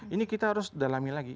ini kita harus dalami lagi